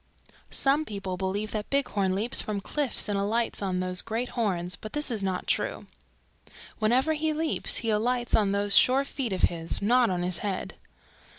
"Some people believe that Bighorn leaps from cliffs and alights on those great horns, but this not true. Whenever he leaps he alights on those sure feet of his, not on his head.